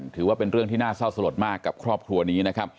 ถือว่าเป็นเรื่องที่น่าเศร้าสลดมากกับครอบครัวนี้นะครับ